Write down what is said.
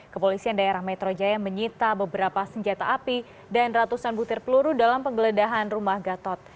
kepolisian daerah metro jaya menyita beberapa senjata api dan ratusan butir peluru dalam penggeledahan rumah gatot